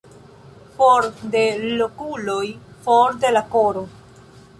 For de l' okuloj, for de la koro.